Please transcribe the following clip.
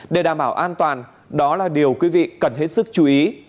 để đảm bảo an toàn đó là điều quý vị cần hết sức chú ý